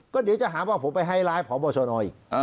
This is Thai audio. ก็เดี๋ยวจะหาว่าผมไปไฮไลท์พบชนอีก